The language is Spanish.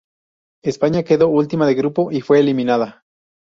España quedó última de grupo y fue eliminada.